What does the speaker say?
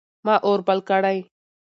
ما اور بل کړی و.